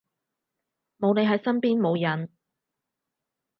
冇你喺身邊冇癮